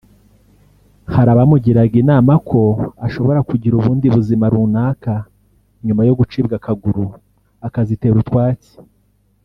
Hari abamugiraga inama ko ashobora kugira ubundi buzima runaka nyuma yo gucibwa akaguru akazitera utwatsi